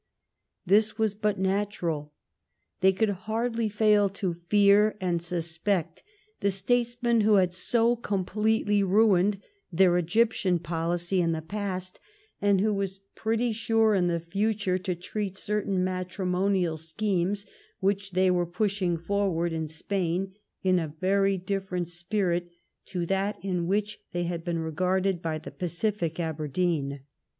This was but natural. They could hardly fail to fear and suspect the statesman who had so completely ruined their Egyptian policy in the past ; and who was pretty sure in the future to treat certain matri monial schemes which they were pushing forward in Spain, in a very different spirit to that in which they had been regarded by the pacific Aberdeen.